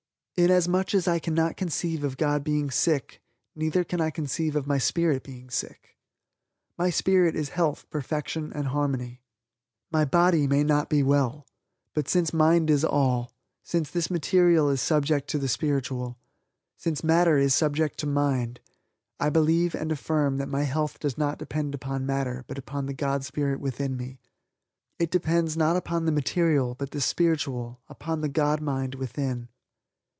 Inasmuch as I cannot conceive of God being sick neither can I conceive of my Spirit being sick. My spirit is health, perfection and harmony. My body may not be well, but since mind is all, since this material is subject to the spiritual, since matter is subject to mind, I believe and affirm that my health does not depend upon matter but upon the God Spirit within me. It depends not upon the material but the spiritual, upon the God mind within.